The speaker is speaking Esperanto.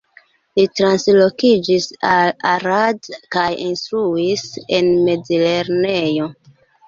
Li translokiĝis al Arad kaj instruis en mezlernejo.